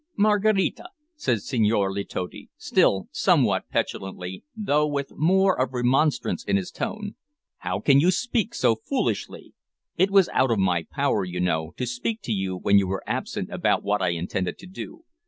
"Maraquita," said Senhor Letotti, still somewhat petulantly, though with more of remonstrance in his tone, "how can you speak so foolishly? It was out of my power you know, to speak to you when you were absent about what I intended to do.